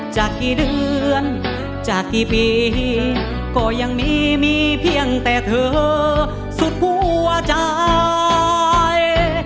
จากกี่เดือนจากกี่ปีก็ยังมีมีเพียงแต่เธอสุดหัวใจ